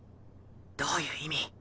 どういう意味？